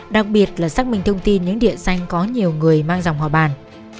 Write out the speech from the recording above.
đặc biệt là xác minh thông tin những địa xanh có nhiều người mang dòng họ bàn